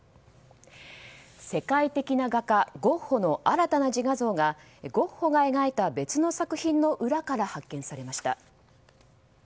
世界的な画家ゴッホの新たな自画像がゴッホが描いた別の作品の裏から発見されました。